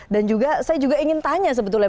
dan juga saya juga ingin tanya sebetulnya